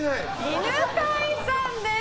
犬飼さんです！